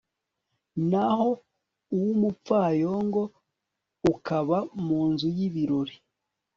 naho uw'umupfayongo ukaba mu nzu y'ibirori